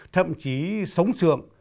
thậm chí sống sượng